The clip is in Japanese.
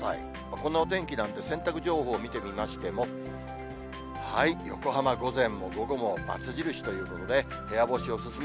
こんなお天気なんで、洗濯情報見てみましても、横浜、午前も午後もバツ印ということで、部屋干しお勧め。